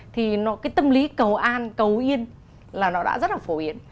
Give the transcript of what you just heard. thì cái tâm lý cầu an cầu yên là nó đã rất là phổ biến